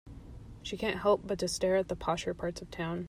She can't help but to stare at the posher parts of town.